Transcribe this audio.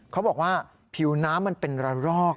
เขาบอกว่าผิวน้ำมันเป็นระรอก